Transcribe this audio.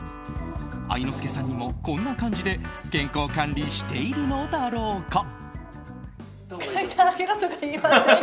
愛之助さんにもこんな感じで健康管理しているのだろうか。